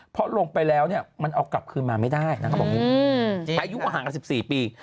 พายุอาหารกัน๑๔ปี